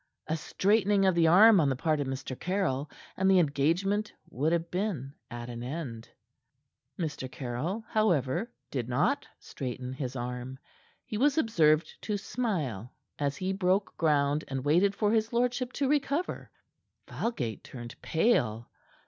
A straightening of the arm on the part of Mr. Caryll, and the engagement would have been at an end. Mr. Caryll, however, did not straighten his arm. He was observed to smile as he broke ground and waited for his lordship to recover. Falgate turned pale.